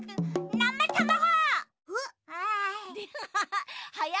なたまご。